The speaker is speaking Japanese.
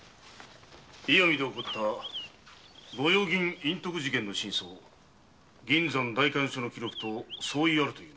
石見で起きた御用銀隠匿事件の真相は銀山代官所の記録と相違ありというのか？